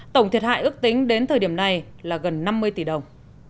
tổng thiệt hại ước tính đến thời điểm này là gần năm mươi tỷ đồng